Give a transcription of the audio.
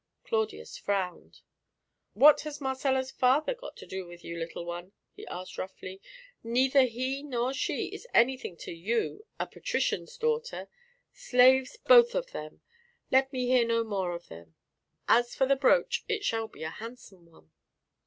Claudius frowned. "What has Marcella's father got to do with you, little one?" he asked roughly. "Neither he nor she is anything to you, a patrician's daughter. Slaves both of them! Let me hear no more of them. And as for the brooch, it shall be a handsome one."